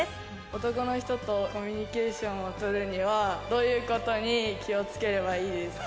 男の人とコミュニケーションをとるには、どういうことに気をつければいいですか？